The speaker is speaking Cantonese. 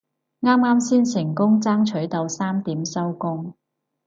啱啱先成功爭取到三點收工